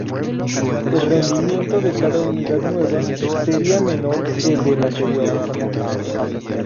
El rendimiento de cada unidad nueva, sería menor que el de la anterior.